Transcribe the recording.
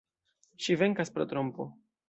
Ŝi venkas pro trompo.